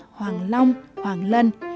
hoàng long hoàng lân